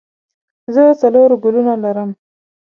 زه څلور ګلونه لرم.